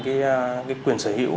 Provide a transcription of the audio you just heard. cái quyền sở hữu